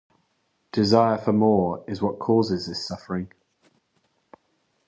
Desire for more is what causes this suffering.